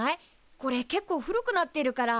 これけっこう古くなってるから。